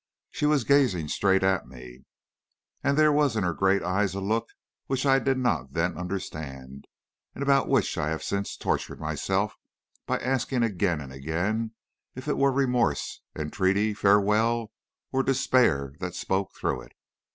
She was gazing straight at me, and there was in her great eyes a look which I did not then understand, and about which I have since tortured myself by asking again and again if it were remorse, entreaty, farewell, or despair that spoke through it.